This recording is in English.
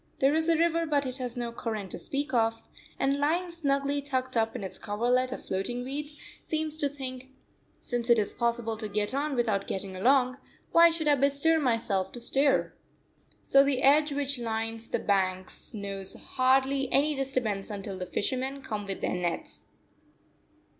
There is a river but it has no current to speak of, and, lying snugly tucked up in its coverlet of floating weeds, seems to think "Since it is possible to get on without getting along, why should I bestir myself to stir?" So the sedge which lines the banks knows hardly any disturbance until the fishermen come with their nets.